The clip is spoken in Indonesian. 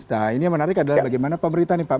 nah ini yang menarik adalah bagaimana pemerintah nih pak